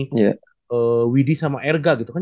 widianta putra sama erga gitu kan